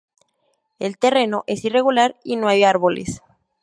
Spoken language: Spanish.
El terreno es irregular y no hay árboles.